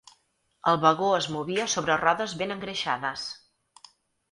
El vagó es movia sobre rodes ben engreixades.